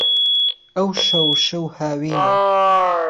ئهوشهو شهو هاوینه